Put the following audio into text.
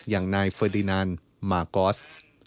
อย่างนายเฟอร์ดินันมากอส